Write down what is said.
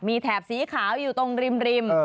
มีแถบสีขาวอยู่ตรงริม